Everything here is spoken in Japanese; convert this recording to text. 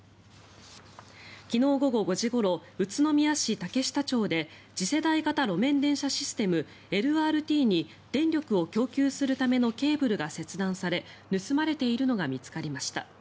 昨日午後５時ごろ宇都宮市竹下町で次世代型路面電車システムＬＲＴに電力を供給するためのケーブルが切断され盗まれているのが見つかりました。